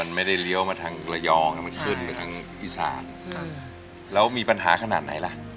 ไม่ได้เลี้ยวมาทางระยองมันขึ้นไปทางอีสานแล้วมีปัญหาขนาดไหนล่ะ